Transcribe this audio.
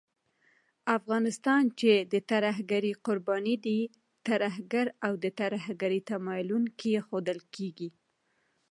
افغانستان چې د ترهګرۍ قرباني دی، ترهګر او د ترهګرۍ تمويلوونکی ښودل کېږي